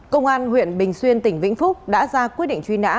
công an huyện bình xuyên tỉnh vĩnh phúc đã ra quyết định truy nã